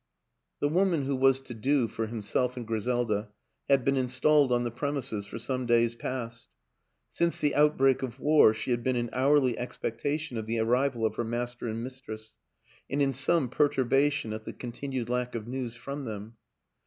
The woman who was to " do " for himself and Griselda had been installed on the premises for some days past; since the outbreak of war she had been in hourly expectation of the arrival of her master and mistress and in some perturbation at the continued lack of news from them.